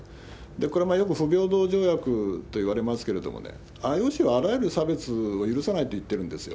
これもよく不平等条約といわれますけれども、ＩＯＣはあらゆる差別を許さないって言ってるんですよ。